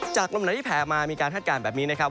ลมหนาวที่แผ่มามีการคาดการณ์แบบนี้นะครับ